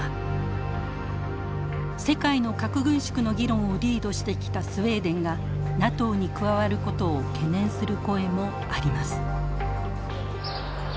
世界の核軍縮の議論をリードしてきたスウェーデンがＮＡＴＯに加わることを懸念する声もあります。